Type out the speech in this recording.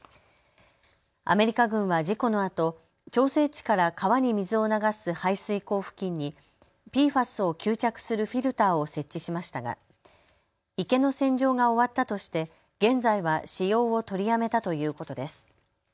アメリカ軍は事故のあと調整池から川に水を流す排水口付近にＰＦＡＳを吸着するフィルターを設置しましたが池の洗浄が終わったとして現在は使用を取りやめたということです。